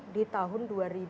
di tahun dua ribu dua